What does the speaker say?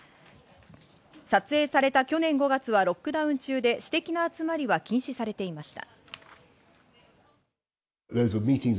撮影された去年５月はロックダウン中で私的な集まりは禁止されていました。